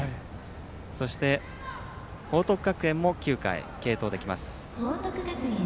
そして、報徳学園も９回、継投できます。